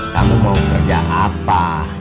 kamu mau kerja apa